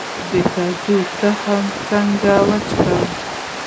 د کدو تخم څنګه وچ کړم؟